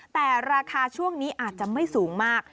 แต่ราคาช่วงนี้อาจจะไม่สูงมาก